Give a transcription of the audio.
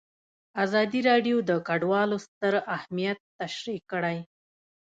ازادي راډیو د کډوال ستر اهميت تشریح کړی.